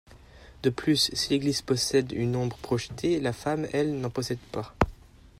De plus, si l'église possède une ombre projetée, la femme elle n'en possède pas.